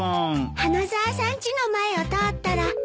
花沢さんちの前を通ったら。